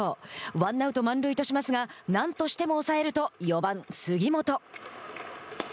ワンアウト、満塁としますが何としても抑えると４番杉本。